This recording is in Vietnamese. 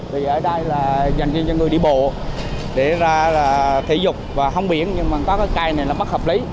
vì ở đây là dành riêng cho người đi bộ để ra thị dục và hông biển nhưng mà có cái cây này là bất hợp lý